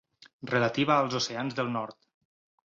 Relativa als oceans del nord.